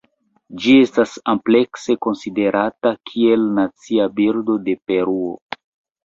Ĝi estas amplekse konsiderata kiel nacia birdo de Peruo.